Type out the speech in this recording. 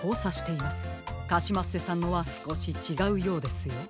カシマッセさんのはすこしちがうようですよ。